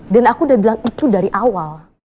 dan aku udah bilang itu dari awal